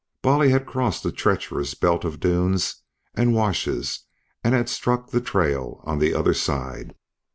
Bolly had crossed the treacherous belt of dunes and washes and had struck the trail on the other side.